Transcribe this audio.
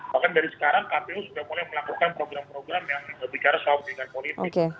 bahkan dari sekarang kpu sudah mulai melakukan program program yang bicara soal pendidikan politik